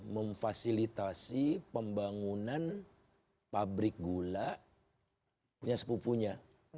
memfasilitasi pembangunan pabrik gula punya sepupunya